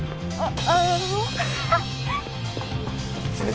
あっ。